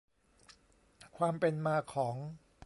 ความเป็นมาของ